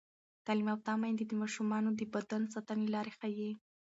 تعلیم یافته میندې د ماشومانو د بدن ساتنې لارې ښيي.